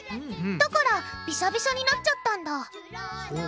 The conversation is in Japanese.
だからビシャビシャになっちゃったんだ。